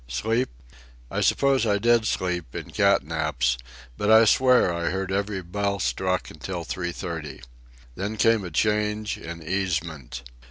Sleep? I suppose I did sleep, in catnaps, but I swear I heard every bell struck until three thirty. Then came a change, an easement.